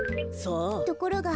ところが。